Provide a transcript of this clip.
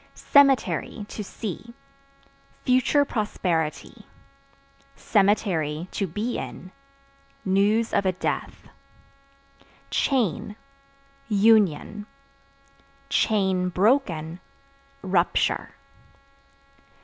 Cemetery (To see) future prosperity; (to be in) news of a death. Chain Union; (broken) rupture.